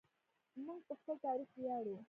موږ په خپل تاریخ ویاړو.